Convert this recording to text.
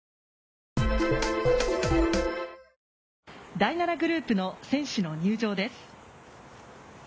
第７グループの選手の入場です。